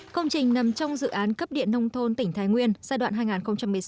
công trình nằm trong dự án cấp điện nông thôn tỉnh thái nguyên giai đoạn hai nghìn một mươi sáu hai nghìn hai mươi